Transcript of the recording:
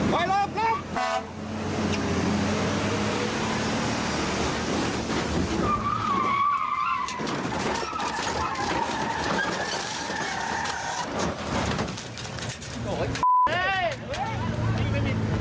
ไว้เร็วเร็ว